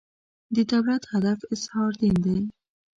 د دولت هدف اظهار دین دی.